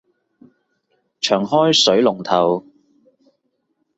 長開水龍頭